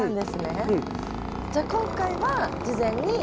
じゃあ今回は事前に。